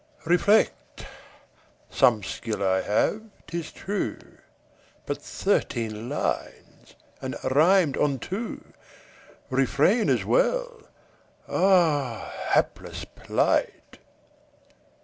Reflect. Some skill I have, 'tis true; But thirteen lines! and rimed on two! "Refrain" as well. Ah, Hapless plight!